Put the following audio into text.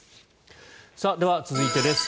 では続いてです。